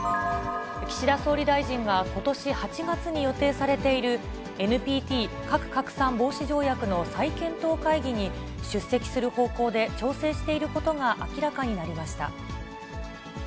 岸田総理大臣が、ことし８月に予定されている、ＮＰＴ・核拡散防止条約の再検討会議に出席する方向で調整していることが明らかになりました。